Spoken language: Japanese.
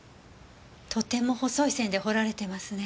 とても細い線で彫られてますね。